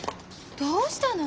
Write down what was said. どうしたの？